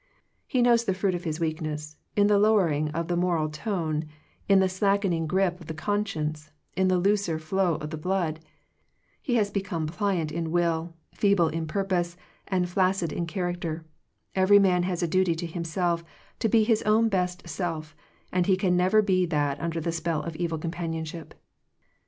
He knows the fruits of his weakness, in the lowering of the moral tone, in the slack ening grip of the conscience, in the looser flow of the blood. He has become pli ant in will, feeble in purpose, and flaccid in character. Every man has a duty to himself to be his own best self, and he can never be that under the spell of evil companionship.